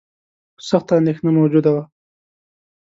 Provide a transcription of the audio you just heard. سخته اندېښنه موجوده وه.